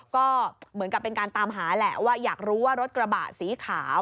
ก็เหมือนกับเป็นการตามหาแหละว่าอยากรู้ว่ารถกระบะสีขาว